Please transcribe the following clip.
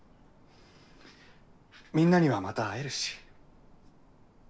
みんなにはまた会えるし。